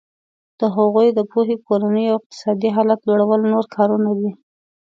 د هغوی د پوهې کورني او اقتصادي حالت لوړول نور کارونه دي.